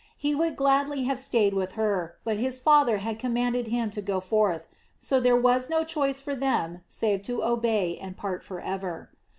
He would gladly have stayed with her, but his father had commanded him to go forth, so there was no choice for them save to obey and part forever.